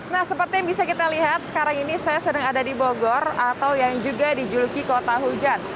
nah seperti yang bisa kita lihat sekarang ini saya sedang ada di bogor atau yang juga dijuluki kota hujan